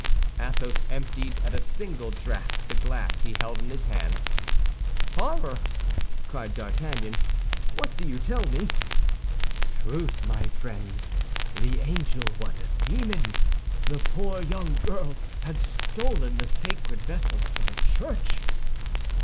Athos emptied at a single draught the glass he held in his hand. "Horror!" cried D'Artagnan. "What do you tell me?" "Truth, my friend. The angel was a demon; the poor young girl had stolen the sacred vessels from a church."